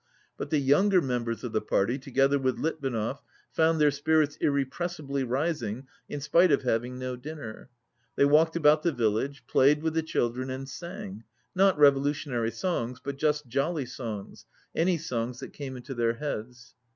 But the younger members of the party, together with Litvinov, found their spirits irrepressibly rising in spite of having no dinner. They walked about the vil lage, played with the children, and sang, not revo lutionary songs, but just jolly songs, any songs that came into their heads.